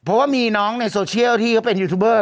เพราะว่ามีน้องในโซเชียลที่เขาเป็นยูทูบเบอร์